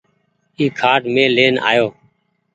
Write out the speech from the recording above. اي کآٽ مين لين آئو۔